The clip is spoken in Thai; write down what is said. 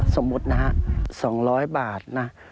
สมมตินะครับ๒๐๐บาทนะ